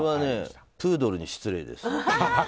プードルに失礼です。